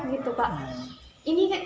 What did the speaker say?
jauh dari kata layak